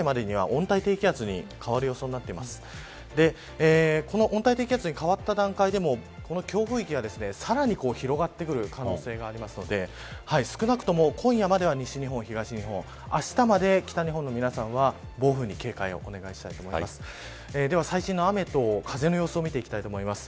温帯低気圧に変わった段階でも強風域がさらに広がってくる可能性がありますので少なくとも今夜までは西日本や東日本あしたまで北日本の皆さまは暴風に警戒をお願いしたいと思います。